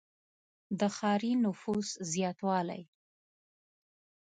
• د ښاري نفوس زیاتوالی.